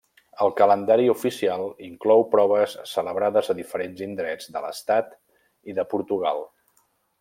El calendari oficial inclou proves celebrades a diferents indrets de l'estat i de Portugal.